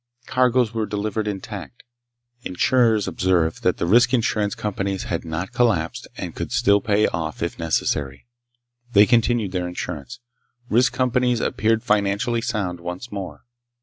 Cargoes were delivered intact. Insurers observed that the risk insurance companies had not collapsed and could still pay off if necessary. They continued their insurance. Risk companies appeared financially sound once more.